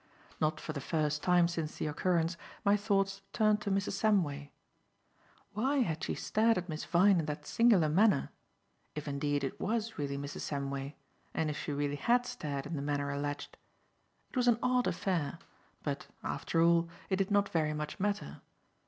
Not for the first time since the occurrence, my thoughts turned to Mrs. Samway. Why had she stared at Miss Vyne in that singular manner if indeed it was really Mrs. Samway, and if she really had stared in the manner alleged? It was an odd affair; but, after all, it did not very much matter.